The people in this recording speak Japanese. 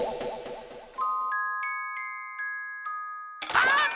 あっ！